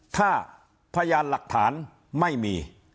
ถ้าพยานหลักฐานไม่มี